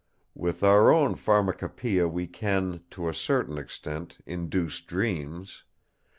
With our own pharmacopoeia we can, to a certain extent, induce dreams.